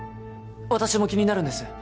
私も気になるんです